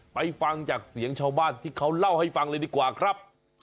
ฟังจากเสียงชาวบ้านที่เขาเล่าให้ฟังเลยดีกว่าครับ